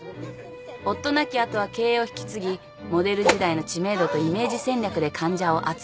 夫亡き後は経営を引き継ぎモデル時代の知名度とイメージ戦略で患者を集め大成功。